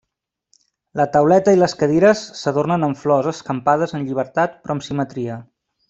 La tauleta i les cadires s'adornen amb flors escampades en llibertat però amb simetria.